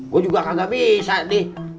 gue juga kagak bisa di